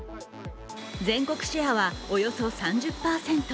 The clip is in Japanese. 全国シェアはおよそ３０％